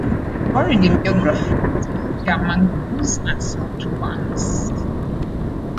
Varied in geography, it features mangroves and salt pans.